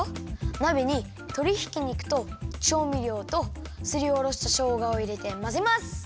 なべにとりひき肉とちょうみりょうとすりおろしたしょうがをいれてまぜます。